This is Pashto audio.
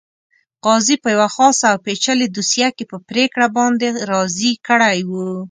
قاضي په یوه خاصه او پېچلې دوسیه کې په پرېکړه باندې راضي کړی وو.